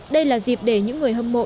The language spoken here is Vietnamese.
đây là dịp để những người hâm mộ